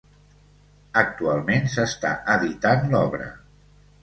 Actualment s'està editant l'obra.